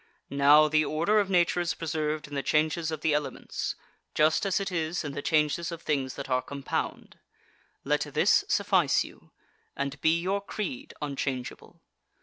Now, the order of Nature is preserved in the changes of elements, just as it is in the changes of things that are compound. Let this suffice you, and be your creed unchangeable.